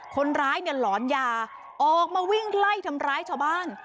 คนร้ายเนี่ยหลอนยาออกมาวิ่งไล่ทำร้ายชาวบ้าน